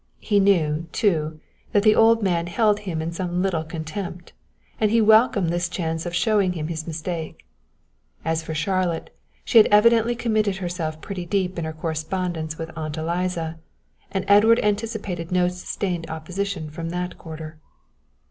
He knew, too, that the old man held him in some little contempt, and he welcomed this chance of showing him his mistake. As for Charlotte, she had evidently committed herself pretty deeply in her correspondence with Aunt Eliza, and Edward anticipated no sustained opposition from that quarter.